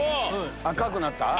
赤くなった？